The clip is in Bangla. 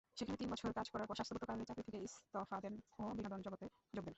সেখানে তিন বছর কাজ করার পর স্বাস্থ্যগত কারণে চাকরি থেকে ইস্তফা দেন ও বিনোদন জগতে যোগ দেন।